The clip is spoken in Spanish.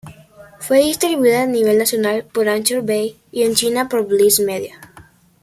Fue distribuida a nivel nacional por Anchor Bay y en China por Bliss Media.